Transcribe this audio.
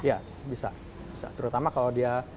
ya bisa terutama kalau dia